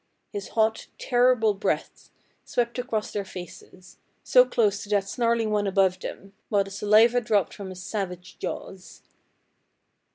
His hot, terrible breath swept across their faces, so close to that snarling one above them, while the saliva dropped from his savage jaws.